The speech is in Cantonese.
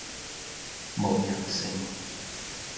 冇人性!